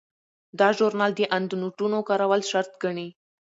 دا ژورنال د اندنوټونو کارول شرط ګڼي.